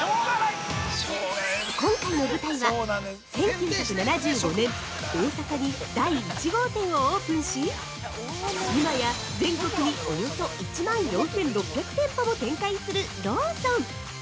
◆今回の舞台は、１９７５年、大阪に第１号店をオープンし、今や、全国におよそ１万４６００店舗も展開するローソン！